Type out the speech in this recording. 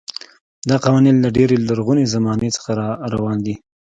دا قوانین له ډېرې لرغونې زمانې څخه راروان دي.